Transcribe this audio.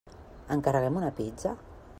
Encarreguem una pizza?